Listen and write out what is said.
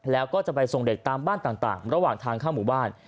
แล้วก็จะไปส่งเด็กตามบ้านต่างระหว่างทางเข้าหมู่บ้าน